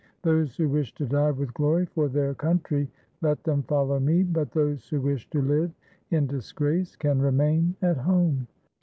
Those who wish to die with glory for their country, let them follow me — but those who wish to live in disgrace can remain at home!"